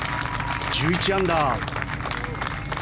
１１アンダー。